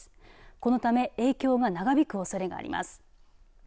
このため影響が長引くおそれがあります。